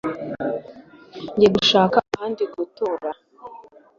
Ngiye gushaka ahandi gutura